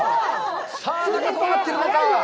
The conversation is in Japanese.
さあ、中はどうなっているのか。